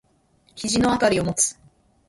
肘のあたりを持つ。